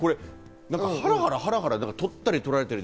ハラハラハラハラ、取ったり取られたりで。